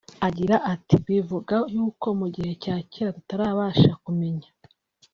Agira ati “Bivuga yuko mu gihe cya kera tutarabasha kumenya